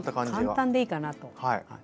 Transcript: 簡単でいいかなと。